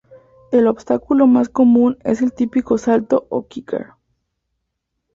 El obstáculo más común es el típico salto o "kicker".